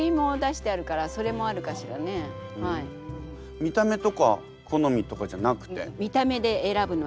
見た目とか好みとかじゃなくて？